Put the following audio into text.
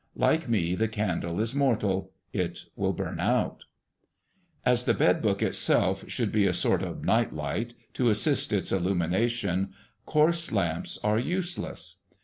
Like me, the candle is mortal; it will burn out. As the bed book itself should be a sort of night light, to assist its illumination, coarse lamps are useless.